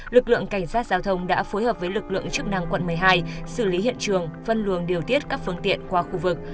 lực lượng cảnh sát giao thông đã phối hợp với lực lượng chức năng quận một mươi hai xử lý hiện trường phân luồng điều tiết các phương tiện qua khu vực